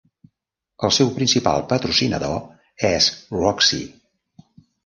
El seu principal patrocinador és Roxy.